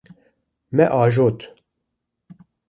Me ajot.